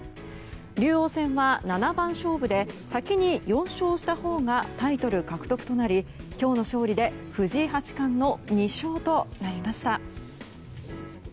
竜王戦は七番勝負で先に４勝したほうがタイトル獲得となり今日の勝利で藤井八冠の２勝となりました。